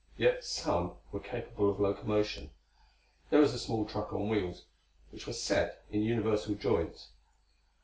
Yet some were capable of locomotion. There was a small truck on wheels which were set in universal joints.